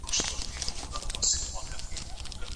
آیا تاسو کله د خپلو سترګو د لید معاینه کړې ده؟